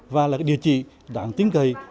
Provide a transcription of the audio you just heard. và là cái địa chỉ đáng tin cầy